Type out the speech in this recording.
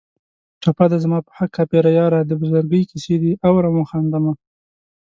ټپه ده: زما په حق کافره یاره د بزرګۍ کیسې دې اورم و خاندمه